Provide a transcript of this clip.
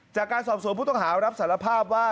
จากการสอบสวนผู้ต้องหารับสารภาพว่า